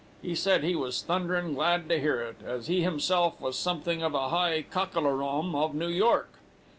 He said he was thunderin' glad to hear it, as he himself was something of a high cockalorum of New York.